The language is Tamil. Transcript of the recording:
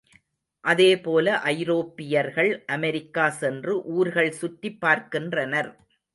அதேபோல ஐரோப்பியர்கள் அமெரிக்கா சென்று ஊர்கள் சுற்றிப் பார்க்கின்றனர்.